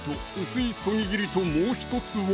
薄いそぎ切りともう１つは？